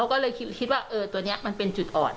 อะไรก็จะไปลงที่หลาน